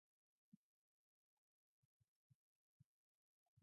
Merchant Marine Academy's museum as a relic.